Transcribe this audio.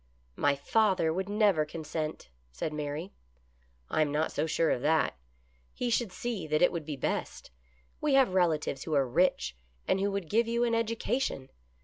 " My father would never consent," said Mary. " I am not so sure of that. He should see that it would be best. We have relatives who are rich, and who would give you an education.